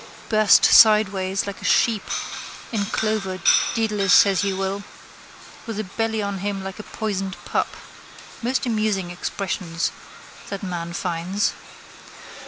Burst sideways like a sheep in clover Dedalus says he will. With a belly on him like a poisoned pup. Most amusing expressions that man finds.